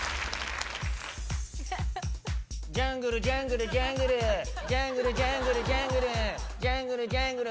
ジャングルジャングルジャングル。